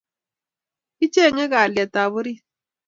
Kicheng'e kalyet ab orit